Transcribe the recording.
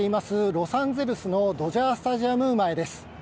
ロサンゼルスのドジャースタジアム前です。